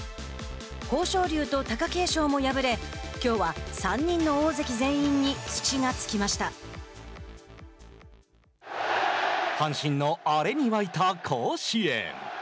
豊昇龍と貴景勝も敗れきょうは３人の大関全員に阪神のアレに沸いた甲子園。